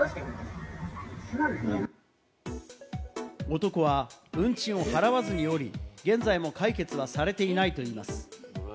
男は運賃を払わずに降り、現在も解決はされていないといいます。